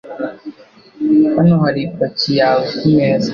Hano hari paki yawe kumeza.